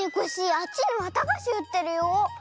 あっちにわたがしうってるよ。